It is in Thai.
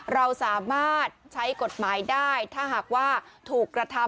เราสามารถใช้กฎหมายได้ถ้าหากว่าถูกกระทำ